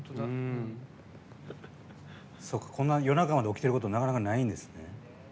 こんな夜中まで起きてることなかなかないんですね。